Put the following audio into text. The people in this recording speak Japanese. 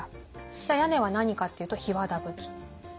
じゃあ屋根は何かっていうと檜皮葺き。